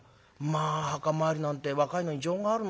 『まあ墓参りなんて若いのに情があるのね。